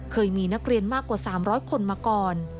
เคยมีนักเรียนมากกว่า๓๐๐คนมาก่อน